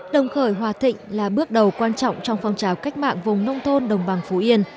đồng khởi hòa thịnh là bước đầu quan trọng trong phong trào cách mạng vùng nông thôn đồng bằng phú yên